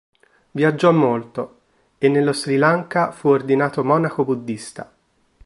Viaggiò molto, e nello Sri Lanka fu ordinato monaco buddhista.